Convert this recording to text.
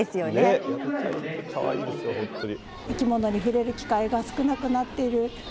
かわいいですよ、本当に。